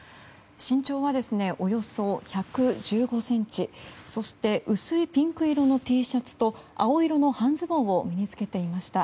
身長はおよそ１１５ｃｍそして薄いピンク色のＴシャツと青色の半ズボンを身に着けていました。